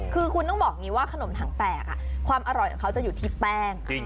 คือคุณต้องบอกอย่างนี้ว่าขนมถังแตกความอร่อยของเขาจะอยู่ที่แป้ง